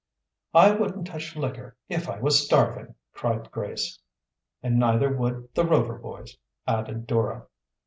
"I wouldn't touch liquor if I was starving!" cried Grace. "And neither would the Rover boys," added Dora.